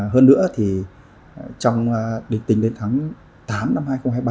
hơn nữa thì trong tính đến tháng tám năm hai nghìn hai mươi ba